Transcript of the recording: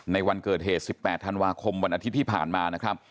ในวันเกิดเหตุ๑๘ธันวาคมวันอาทิตย์ที่ผ่านมานะครับ